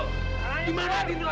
usir mereka bertiga